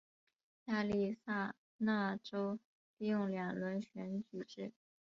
亚利桑那州采用两轮选举制。